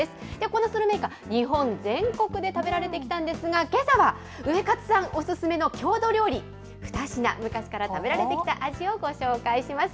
このスルメイカ、日本全国で食べられてきたんですが、けさは、ウエカツさんお勧めの郷土料理、２品、昔から食べられてきた味をご紹介します。